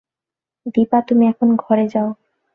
দিপা, তুমি এখন ঘরে যাও।